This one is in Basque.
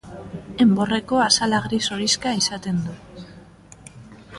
Enborreko azala gris-horixka izaten du.